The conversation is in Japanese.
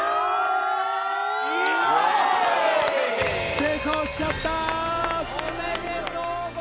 成功しちゃった！